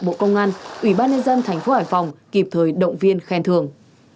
bộ công an ủy ban nhân dân tp hải phòng kịp thời động viên khen thường